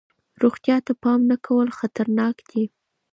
روغتیا ته پام نه کول خطرناک دی.